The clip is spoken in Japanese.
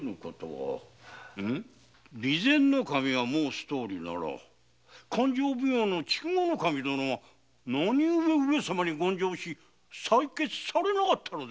備前守が申すとおりなら勘定奉行筑後守殿はなぜ上様に言上し採決されなかったのでございましょう？